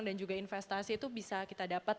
dan juga investasi itu bisa kita dapat